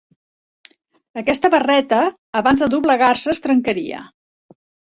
Aquesta barreta, abans de doblegar-se es trencaria.